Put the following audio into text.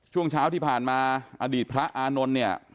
ช่วงเช้าที่ผ่านมาอดีตพระอานนท์เนี่ย